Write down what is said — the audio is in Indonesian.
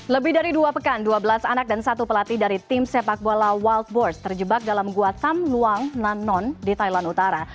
lebih dari dua pekan dua belas anak dan satu pelatih dari tim sepak bola waltboard terjebak dalam guatam luang nan non di thailand utara